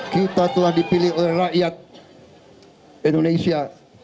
kita telah dipilih oleh rakyat indonesia